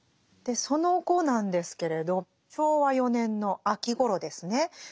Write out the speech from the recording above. でその後なんですけれど昭和４年の秋ごろですね。